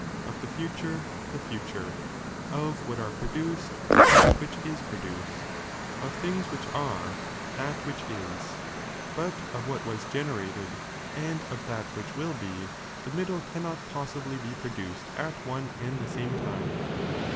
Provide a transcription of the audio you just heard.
Medium ' of the future the future, of what are produced I^n^J^^Th"' that which in produced, of things which are ihowofwhich that which is, but of what was generated, and of di^. ' that which will be, the middle cannot possibly be produced at one and the same time.